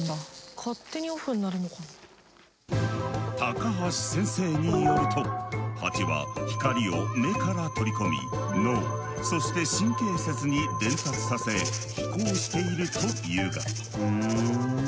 高橋先生によるとハチは光を目から取り込み脳そして神経節に伝達させ飛行しているというが。